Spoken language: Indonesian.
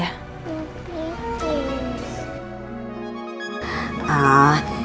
apa aku samperin elsa aja kali ya